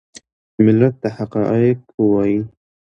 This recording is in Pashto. ملت ته حقایق ووایي .